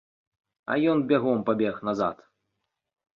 А ён бягом пабег назад.